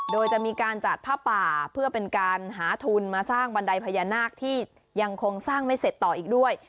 โดยจะมีการจัดผ้าป่าเพื่อเป็นการหาทุนมาสร้างบันไดพญานาคที่ยังคงสร้างไม่เสร็จต่ออีกด้วย